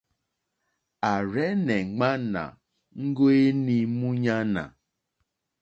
À rzɛ́nɛ̀ ŋmánà ŋɡó ǃéní múɲánà,.